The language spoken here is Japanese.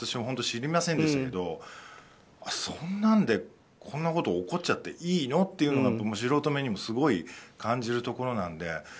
本当に知りませんでしたけどそんなんでこんなこと起こっちゃっていいの？っていうのが素人目にもすごい感じるところなので。